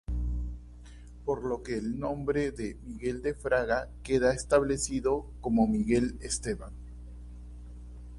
Por lo que el nombre de Miguel de Fraga queda establecido como Miguel Esteban.